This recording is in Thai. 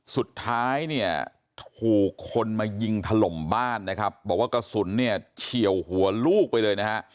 สุดท้ายเนี่ยถูกคนมายิงถล่มบ้านนะครับบอกว่ากระสุนเนี่ยเฉียวหัวลูกไปเลยนะฮะ